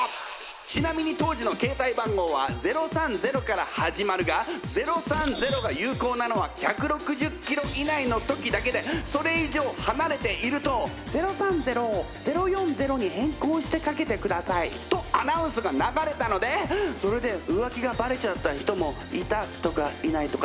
ちなみに当時の携帯番号は「０３０」から始まるが「０３０」が有効なのは１６０キロ以内の時だけでそれ以上離れていると「『０３０』を『０４０』に変更してかけてください」とアナウンスが流れたのでそれで浮気がバレちゃった人もいたとかいないとか。